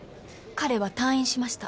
彼は退院しました。